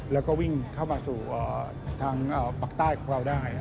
แล้วก็วิ่งเข้ามาสู่ทางปากใต้ของเราได้